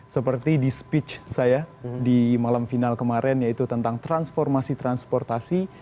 seperti di speech saya di malam final kemarin yaitu tentang transformasi transportasi